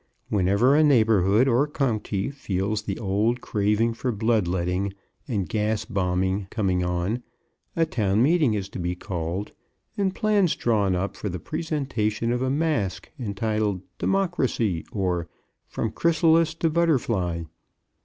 Whenever a neighborhood, or county, feels the old craving for blood letting and gas bombing coming on, a town meeting is to be called and plans drawn up for the presentation of a masque entitled "Democracy" or "From Chrysalis to Butterfly."